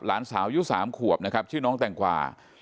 หลานสาวอายุ๓ขวบนะครับชื่อน้องแตงกวา